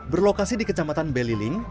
berlokasi di kecamatan beliling